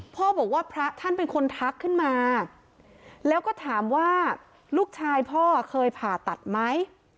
พ่อบอกว่าพระท่านเป็นคนทักขึ้นมาแล้วก็ถามว่าลูกชายพ่อเคยผ่าตัดไหม